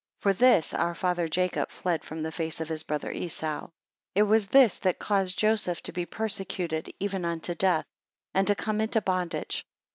For this, our father Jacob fled from the face of his brother Esau. 6 It was this that caused Joseph to be persecuted even unto death, and to come into bondage.